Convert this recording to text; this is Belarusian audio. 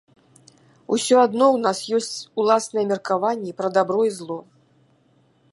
Усё адно ў нас ёсць уласныя меркаванні пра дабро і зло.